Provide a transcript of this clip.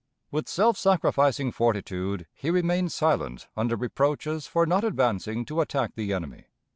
With self sacrificing fortitude he remained silent under reproaches for not advancing to attack the enemy.